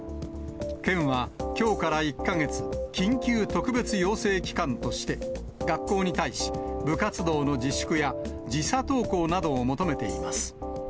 県はきょうから１か月、緊急特別要請期間として、学校に対し、部活動の自粛や時差登校などを求めています。